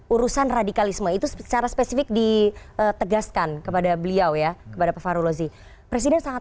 urusan radikalisme itu secara spesifik ditegaskan kepada beliau ya kepada pak farulozi presiden sangat